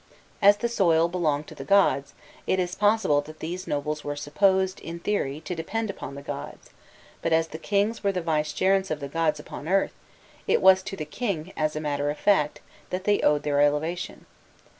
As the soil belonged to the gods, it is possible that these nobles were supposed, in theory, 'to depend upon the gods; but as the kings were the vicegerents of the gods upon earth, it was to the king, as a matter of fact, that they owed their elevation.